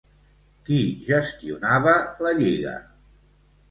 Qui gestionava la Lliga?